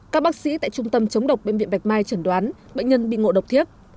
các bác sĩ tại trung tâm chống độc bệnh viện bạch mai chẩn đoán bệnh nhân bị ngộ độc thiết